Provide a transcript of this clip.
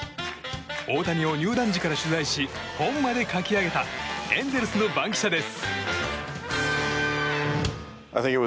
大谷を入団時から取材し本まで書き上げたエンゼルスの番記者です。